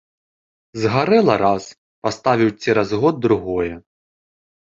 Згарэла раз, паставіў цераз год другое.